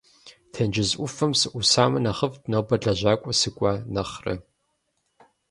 Тенджыз ӏуфэм сыӏусамэ нэхъыфӏт, нобэ лэжьакӏуэ сыкӏуа нэхърэ!